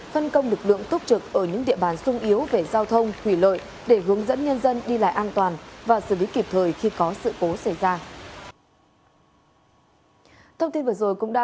phân công lực lượng túc trực ở những địa bàn sung yếu về giao thông thủy lợi để hướng dẫn nhân dân đi lại an toàn và xử lý kịp thời khi có sự cố xảy ra